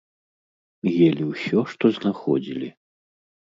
Елі ўсё, што знаходзілі.